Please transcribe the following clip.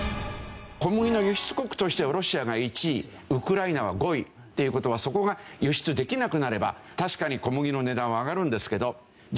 小麦の輸出国としてはロシアが１位ウクライナは５位っていう事はそこが輸出できなくなれば確かに小麦の値段は上がるんですけど。